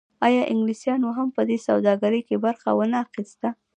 آیا انګلیسانو هم په دې سوداګرۍ کې برخه ونه اخیسته؟